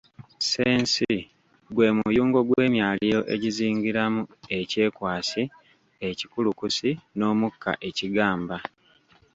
Ssensi gwe muyungo gw'emyaliiro egizingiramu ekyekwasi, ekikulukusi n'omukka ekigamba.